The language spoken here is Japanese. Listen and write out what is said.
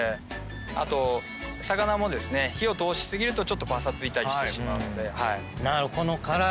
あと魚もですね火を通し過ぎるとちょっとパサついたりしてしまうので。